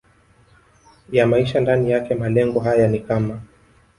ya maisha ndani yake Malengo haya ni kama